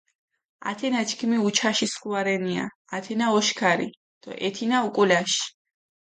ათენა ჩქიმი უჩაში სქუა რენია, ათენა ოშქარი დო ეთინა უკულაში.